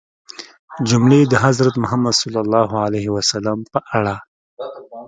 جملې د حضرت محمد ﷺ په اړه